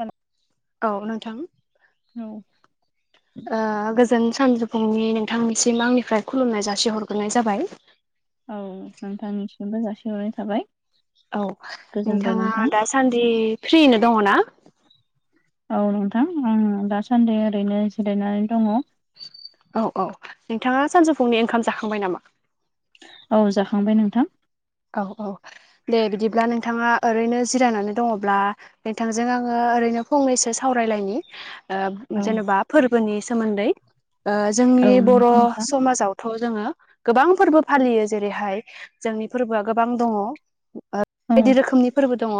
हेल औ नोंथां ओ गोजोन सान फुंनि नोंथांनिसिम आंनिफ्राय खुलुमनाय जासिहरग्रोनाय जाबाय औ नोंथांनिसिमबो जासिहरनाय थाबाय औ गोजोनबाय नोंथाङा नोंथां दासान्दि फ्रिनो दङ ना? औ नोंथां आं दासान्दि ओरैनो जिरायनानै दङ। औ औ नोंथाङा सानजौफुंनि ओंखाम जाखांबाय नामा? औ जाखांबाय नोंथां। औ औ दे बिदिब्ला नोंथाङा ओरैनो जिरायनानै दङब्ला नोंथांजों आङो ओरैनो फंनैसो सावरायलायनि ओ औ जेनेबा फोरबोनि सोमोन्दै ओ जोंनि औ बर' नंगौ नोंथां समाजाव थ जोङो गोबां फोरबो फालियो जेरैहाय जोंनि फोरबोआ गोबां दङ ओ औ बायदि रोखोमनि फोरबो दङ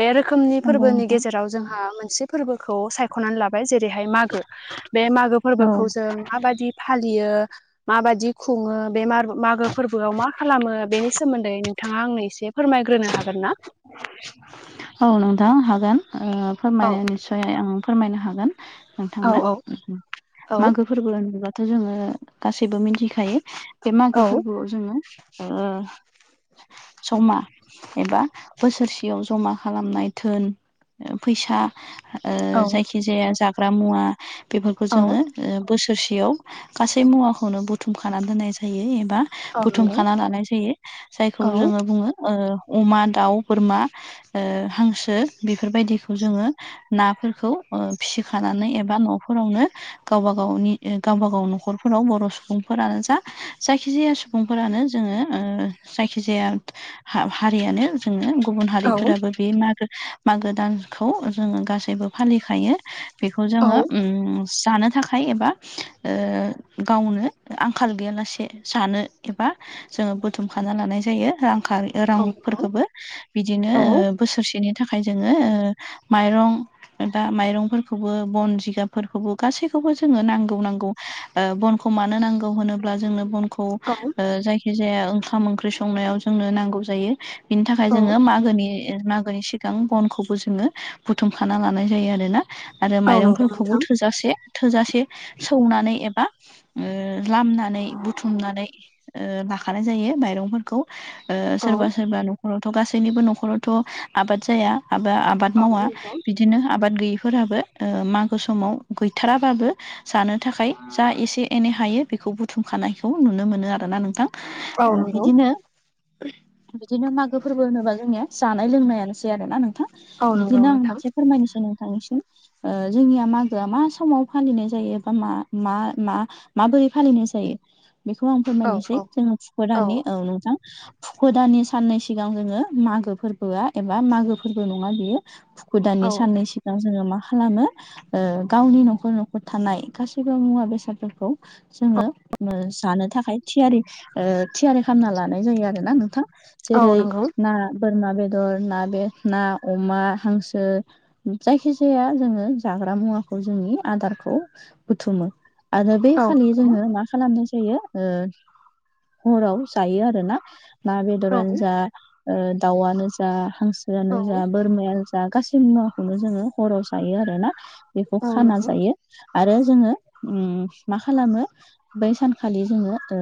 बे रोखोमनि नंगौ फोरबोनि नोंथां गेजेराव जोंहा मोनसे फोरबोखौ सायख'नानै लाबाय जेरैहाय मागो बे मागो औ फोरबोखौ जों मा बादि फालियो माबाददि खुङो बे मागो फोरबोआव मा खालामो बेनि सोमोन्दै नोंथाङा आंनो एसे फोरमायग्रोनो हागोन ना? औ नोंथां हागोन ओ औ फोरमाय निस्सय आं फोरमायनो हागोन। औ नोंथांनो औ मागो फोरबो होनोबाथ' जोङो गासैबो मिथिखायो बे मागो फोरबो जोङो ओ [unintelligible] एबा बोसोरसेयाव जमा खालामनाय घोन फैसा। ओ औ जायखि जाया जाग्रा मुवा बेफोरखौ औ जोङो ओ बोसोरसेयाव गासै मुवाखौनो बुथुमखानानै दोननाय जायो एबा औ नंगौ बुथुमखाना लानाय जायो जायखौ औ जोङो बुङो ओ अमा दाउ बोरमा ओ हांसो बेफोरबायदिखौ जोङो नाफोरखौ ओ फिखानानै एबा न'फोरावनो गावबा गावनि ओ गावबा गाव न'खरफोराव बर' सुबुंफोरानो जा जायखिजाया सुबुं सुबुंफोरानो जोङो ओ जायखिजाया हा-हारियानो जोङो गुबुन औ हारिफोराबो बे मागो मागो दानखौ जोङो गासैबो फालिखायो। बेखौ औ जोङो उम जानो थाखाय एबा ओ गावनो आंखाल गैयालासे जानो एबा जोङो बुथुमखाना लानाय जायो रां [unintelligible] नंगौ रांफोरखौबो बिदिनो औ ओ बोसोरसेनि थाखाय जोङो ओ माइरं दा माइरंफोरखौबो बन जिगाबफोरखौबो गासैखौबो जोङो नांगौ नांगौ। ओ बनखौ मानो नांगौ होनोब्ला जोंनो बन खौ ओ औ जायखि जाया ओंखाम ओंख्रि संनायाव जोंनो नांगौ जायो। बिनि थाखाय जोङो मागोनि मागोनि सि गां बनखौबो जोङो बुथुमखाना लानाय जायो आरो ना आरो औ नंगौ माइरंफोरखौबो नोंथां थोजासे थोजासे सौनानै एबा ओ लामनानै बुथुमनानै ओ बाखानाय जायो माइरंफोरखौ ओ औ सोरबा सोरबा न'खरावथ' गासैनिबो न'खरावथ' आबाद जाया आबा आबाद औ मावा नंगौ बि दिनो आबाद गैयिफोराबो ओ मागो समाव गैथाराबाबो जानो थाखाय जा एसे एनै हायो बेखौ बुथुमखानायखौ नुनो मोनो आरोना नोंथां। औ ओ नंगौ बिदिनो बिदिनो मागो फोरबो होनोबा जोंनिया जानाय लोंनायानोसै आरोना नोंथां। औ नंगौ बिदिनो आं नोंथां मोनसे फोरमायनोसै नोंथांनिसिम ओ जोंनिया मागोआ मा समाव फालिनाय जायो बा मा मा मा माबोरै फालिनाय जायो बेखौ आं औ फोरमायनोसै औ जोंङो कुखुर दाननि औ नोंथां। हुदानि साननै सिगां जोङो मागो फोरबोआ एबा मागो फोरबो नङा बियो फुखु दानि औ साननैसो जोङो मा खालामो ओ गावनि न'खर न'खर थानाय गासैबो मुवा बेसादफोरखौ जोङो ओ जानो थाखाय थियारि ओ थियारि खामना लानाय जायो आरो। ना नोंथां औ जेरै नंगौ ना बोरमा बेदर ना बे ना अमा हांसो जायखि जाया जोङो जाग्रा मुवाखौ जोंनि आदारखौ बुथुमो। आरो बे औ खालि नंगौ जोङो मा खालामनाय जायो ओ हराव जायो आरो ना ना औ बेदरानो जा ओ दाउआनो जा हांसोआनो जा औ बोरमाया दा गासै मुवाखौनो जोङो हराव जायो आरोना बेखौ औ खाना नंगौ जायो। आरो जोङो ओम मा खालामो बै सानखालि जोङो ओ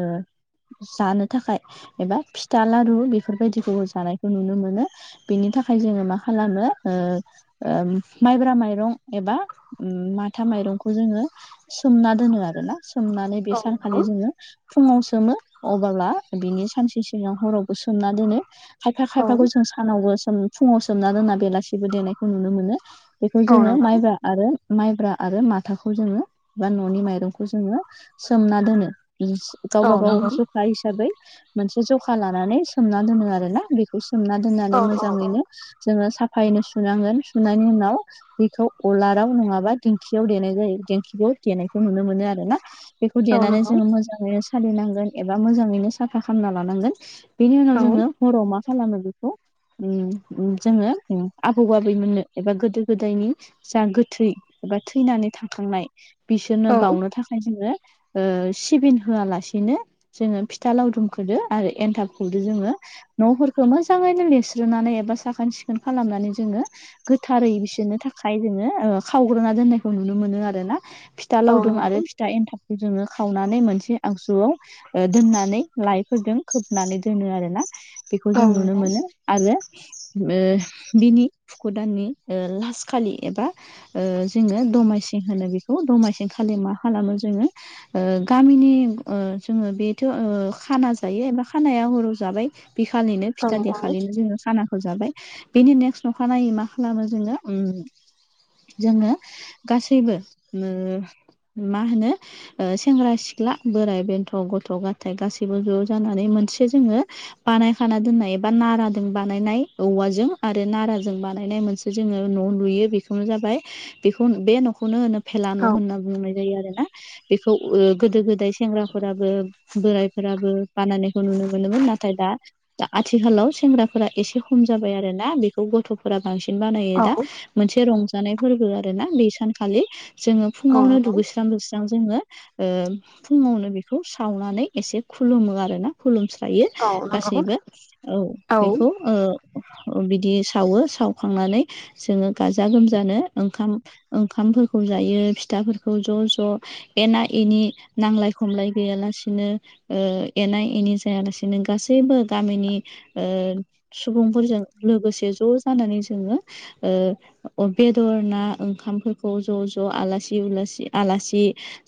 जानो थाखाय एबा फिथा लारु बेफोरबायदिखौबो जानायखौ नुनो मोनो। बिनि थाखाय जोङो मा खालामो ओ ओ माइब्रा माइरं एबा ओ माथा माइरंखौ जोङो सोमना दोनो आरो ना सोमनानै बे सानखालि जोङो फुङाव सोमो अब्ला बिनि सानसे हरावबो सोमना दोनो खायफा औ खायफाखौ जों सा सानावबो सोम फुङाव सोमना दोनना बेलासिबो देनायखौ नुनो मोनो बेखौ औ जोङो नंगौ माइब्रा। आरो माइब्रा आरो माथाखौ जोङो बा न'नि माइरंखौ जोङो सोमना दोनो। जि गावबा औ गाव नंगौ जखा हिसाबै मोनसे जखा लानानै सोमना दोनो आरो ना बि खौ सोमना औ दोननानै औ मोजाङैनो जोङो साफायैनो सुनांगोन सुनायनि उनाव बेखौ अलाराव नङाबा दिंखियाव देनाय जायो दिंखिखौ देनायखौ नुनो मोनो आरो ना। बेखौ औ देनानै नंगौ जोङो मोजाङैनो सालिनांगोन एबा मोजाङैनो साफा खामना लानांगोन। बेनि उनाव औ जोङो हराव मा खालामो बेखौ ओम ओम जोङो ओम आबौ आबैमोननो एबा गोदो गोदायनि जा गोथै एबा थैनानै थांखांनाय औ बिसोरनो बाउनो थाखाय जोङो ओ सिबिं होआलासेनो जोङो फिथा लावदुम खोदो आरो एनथाब खोदो जोङो न'फोरखौ मोजाङैनो लिरस्रोनानै एबा साखोन सिखोन खालामनानै जोङो गोथारै बिसोरनो थाखाय जोङो ओ खावग्रोना दोननायखौ नुनो मोनो आरोना फि था औ लावदुम आरो नंगौ औ नंगौ औ फिथा एन्थाबखौ जोङो खावनानै मोनसे आगजुआव ओ दोननानै लाइ फोरदों खोबनानै दोनो आरो ना बिखौ औ जों नुनो मोनो। आरो ओ बिनि फुखो दाननि ओ लास खालि एबा ओ जोङो दमासि होनो बेखौ दमासि खालि मा खालामो जोङो ओ गामिनि ओ जोङो बिथो ओ खाना जायो एबा खानाया हराव जाबाय बिखालिनो फिथा नंगौ देखालिनो जोङो खाना खो जाबाय बेनि नेक्स्ट अखानायनायै मा खालामो जोङो ओम जोङो गासैबो ओ मा होनो ओ सेंग्रा सिख्ला बोराइ बेन्थ' गथ' गथाय गासैबो ज' ज' जानानै मोनसे जोङो बानायखाना दोननाय एबा नाराजों बानायनाय औवाजों आरो नाराजों बानायनाय मोनसे जोङो न'आव लुयो बेखौनो जाबाय बेखौ बे न'खौनो होनो फेला न' औ होनना बुंनाय जायो आरो ना बेखौ ओ गोदो गोदाय सेंग्राफोराबो बोरायफोराबो बानायनायखौ नुनो मोनोमोन नाथाय दा दा आथिखालाव सेंग्राफोरा एसे खम जाबाय आरोना बेखौ गथ'फोरा बांसिन बानायो दा। मोनसे रंजानाय फोरबो आरो ना बे सानखालि जोङो नंगौ औ नंगौ औ फुङावनो नंगौ दुगैस्रां लुस्रां जोङो ओ फुङावनो बेखौ सावनानै एसे खुलुमो आरोना। खुलुमस्रायो औ नंगौ औ गासैबो औ बेखौ औ ओ बिदि सावो सावखांनानै जोङो गाजा गोमजानो ओंखाम ओंखामफोरखौ जायो फिथाफोरखौ ज' ज' एना एनि नांलाय खमलाय गैयालासिनो ओ एना एनि जायालासिनो गासैबो गामिनि ओ सुबुंफोरजों लोगोसे ज' जानानै जोङो ओ बेदर ना ओंखामफोरखौ ज' ज' आलासि उलासि, आलासि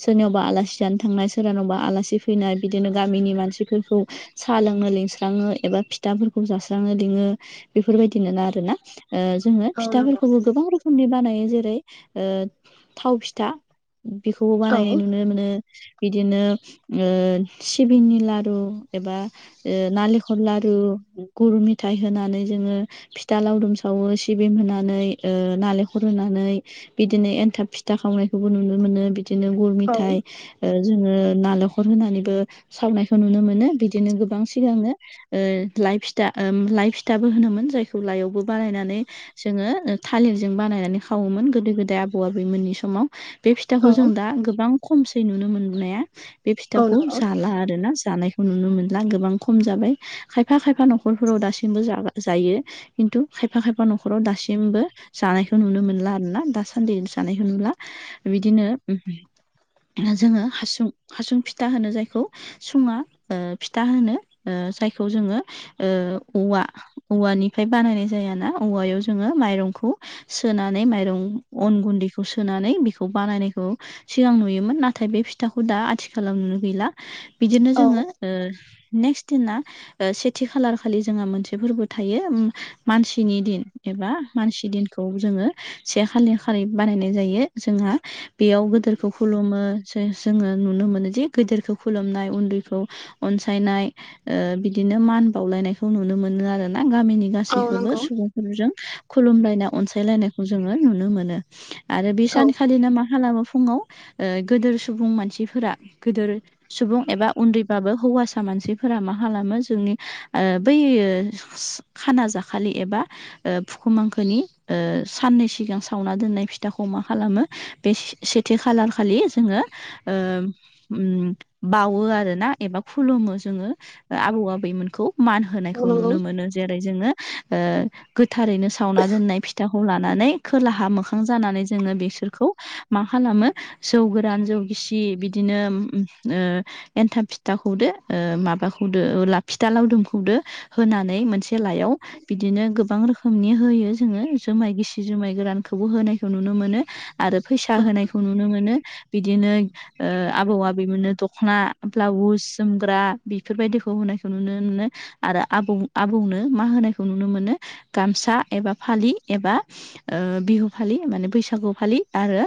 सोरनियावबा आलासि जानो थांनाय सोरानावबा आलासि फैनाय बिदिनो गाम गामिनि मानसिफोरखौ साहा लोंनो लिंस्राङो एबा फिथाफोरखौ जास्रांनो लिङो। बेफोरबायदि ना आरोना। ओ जोङो नंगौ औ फिथाफोरखौबो गोबां रोखोमनि बानायो जेरै ओ थाव फिथा। बेखौबो औ बानायनाय नुनो मोनो बिदिनो ओ सिबिंनि लारु एबा ओ नालेखर लारु गुरु मिथाइ होनानै जोङो फिथा लावदुम सावो सिबिं होनानै ओ नालेंखर होनानै। बिदिनो एनथाब फिथा खावनायखौबो नुनो मोनो बि बिदिनो गुर मिथाइ जोङो नालेंखर होनानैबो सावनायखौ नुनो मोनो बिदिनो गोबां सिगांनो ओ लाइ फिथा लाइ फिथाबो होनोमोन जायखौ लाइआवबो बानायनानै जोङो थालिरजों बानायनानै खावोमोन गोदो गोदाय आबौ आबैमोननि समाव। बे फिथाखौ जों दा गोबां खमसै नुनो मोननाया बे फिथाखौ हाला आरो ना जानायखौ नुनो मोनला गोबां खम जाबाय। खायफा खायफा न'खरफोराव दासिमबो जा- जायो खिन्थु खायफा खायफा न'खराव दासिमबो जानायखौ नुनो मोनला आरो ना दासान्दि जानायखौ नुला बिदिनो जोङो हासुं हासुं फिथा होनो जाय खौ सुङा ओ फिथा होनो ओ जायखौ जोङो ओ औवा औवानिफ्राय बानायनाय जायाना औवायाव जोङो माइरंखौ सोनानै माइरं अन गुन्दैखौ सोनानै बेखौ बानायनायखौ सिगां नुयोमोन नाथाय बे फिथाखौ दा आथिखालाव नुनो गैला। बिदिनो जोङो ओ नेक्स्ट दिना सेथि खालार खालि जोंहा मोनसे फोरबो थायो मानसिनि दिन एबा मानसि दिनखौ जोङो से खालि खालि बानायनाय जायो जोंहा बेयाव गोदेरखौ खुलुमो जोङो नुनो मोनो जे गेदेरखौ खुलुमनाय उन्दैखौ अनसायनाय ओ बिदिनो मान बावलायनायखौ नुनो मोनो आरो ना गामिनि गासैब गासैखौबो सुबुंफोरजों खुलुमलायनाय अनसायलायनायखौ जोङो नुनो मोनो। आरो बे सानखालिनो मा खालामो फुङाव ओ गोदोर सुबुं मानसिफोरा गोदोर सुबुं एबा उन्दैबाबो हौवासा मानसिफोरा मा खालामो जोंनि ओ बै खाना जाखालि एबा ओ फुखुमांखोनि ओ साननै सिगां सावना दोननाय फिथाखौ मा खालामो बे सेथि खालार खालि जोङो ओ उम बावो आरो ना एबा खुलुमो जोङो आबौ आबैमोनखौ मान होनायखौ नुनो मोनो। जेरै जोङो ओ गोथारैनो सावना दोननाय फिथाखौ लानानै खोलाहा मोखां जानानै जोङो बेसोरखौ मा खालामो जौ गोरान जौ गिसि बिदिनो ओ एन्थाब फिथाखौदो माबाखौदो फिथा लावदुमखौदो होनानै मोनसे लायाव बिदिनो गोबां रोखोमनि होयो जोङो जुमाय गिसि जुमाय गोरानखौबो होनायखौ नुनो मोनो। आरो फैसा होनायखौ नुनो मोनो बिदिनो ओ आबौ आबैमोननो दख'ना ब्लाउस जोमग्रा बेफोरबायदिखौ होनायखौ नुनो मोनो। आरो आबौ आबौनो मा होनायखौ नुनो मोनो गामसा एबा फालि एबा ओ बिहु फालि माने बैसागु फालि आरो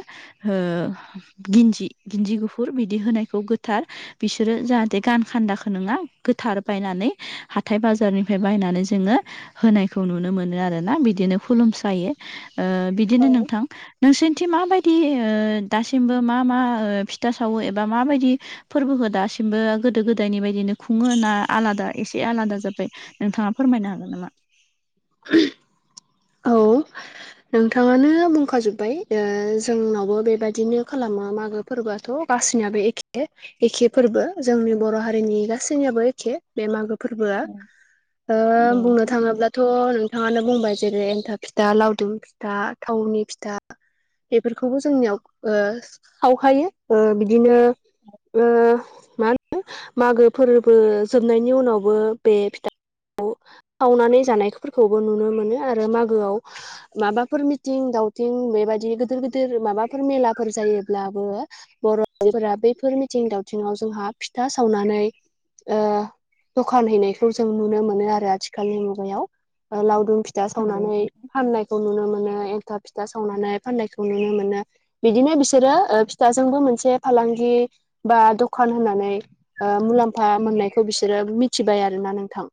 गेन्जि गेन्जि गुफुर बिदि होनायखौ गोथार बिसोरो जाहाथे गान खोन्दाखौ नङा गोथार बायनानै हाथाय बाजारनिफ्राय बायनानै जोङो होनायखौ नुनो मोनो आरोना बिदिनो खुलुमसायो ओ बिदिनो नोंथां नोंसोरथि माबायदि ओ दासिमबो मा मा फिथा सावो एबा माबायदि फोरबोखौ दासिमबो गोदो गोदायनि बायदिनो खुङो ना आलादा एसे आलादा जाबाय नोंथाङा फोरमायनो हागोन नामा? नोंथाङानो बुंखाजोब्बाय जोंनावबो बेबायदिनो खालामो मागो फोरबोआथ' गासैनियाबो एखे एखे फोरबो औ जोंनि बर' हारिनि गासैनियाबो एखे। बे मागो फोरबोआ औ ओ नंगौ बुंनो नोंथां थाङोब्लाथ' नोंथाङानो बुंबाय जेरै एनथाब फिथा लावदुम फिथा थावनि फिथा बेफोरखौबो जोंनियाव ओ सावखायो ओ बिदिनो ओ मा होनो मागो फोरबो जोबनायनि उनावबो बे फिथा खौ सावनानै जानायफोरखौबो नुनो मोनो आरो मागोआव माबाफोर मिथिं दावथिं बेबायदि गोदोर गोदोर माबाफोर मेलाफोर जायोब्लाबो बर' आइजोफोरा बैफोर मिथिं दावथिंआव जोंहा फिथा सावनानै ओ दखान हैनायखौ जों नुनो मोनो आरो आथिखालनि मुगायाव लावदुम फिथ फिथा नंगौ सावनानै फाननायखौ नुनो मोनो एन्थाब फिथा सावनानै फाननायखौ नुनो मोनो। बिदिनो बिसोरो ओ फिथाजोंबो मोनसे फालांगि बा दखान होनानै ओ मुलाम्फा मोननायखौ बिसोरो मिथिबाय आरो ना नोंथां।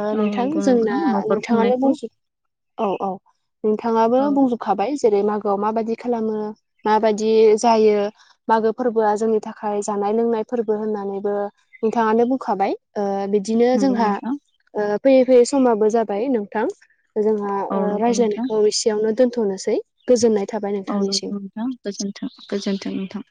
ओ औ नोंथां नंगौ जोंना नोंथां न'खर नोंथाङानो खुंनायखौ बुंजोब औ औ नोंथाङाबो औ बुंजुब खाबाय जेरै मागोआव माबायदि खालामो माबायदि जायो। मागो फोरबोआ जोंनि थाखाय जानाय लोंनाय फोरबो होननानैबो नोंथाङानो बुंखाबाय ओ बिदिनो नंगौ जोंहा नोंथां फैयै फैयै समाबो जाबाय नोंथां। जोंहा औ ओ नंगौ नोंथां रायज्लायनायखौ एसेयावनो दोनथ'नोसै गोजोननाय थाबाय औ नंगौ नोंथांनिसिम नोंथां गोजोनथों गोजोन्थों नोंथां।